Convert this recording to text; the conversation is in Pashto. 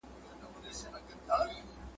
د هر چا به ښه او بد ټوله د ځان وای !.